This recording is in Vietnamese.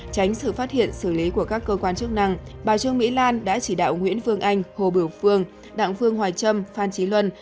tránh sự phát hiện xử lý của các cơ quan chức năng bà trương mỹ lan đã chỉ đạo nguyễn phương anh hồ biểu phương đặng phương hoài trâm phan trí luân